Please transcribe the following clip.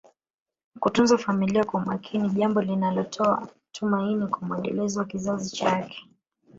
Kutunza familia kwa umakini jambo linatoa tumaini kwa mwendelezo wa kizazi chake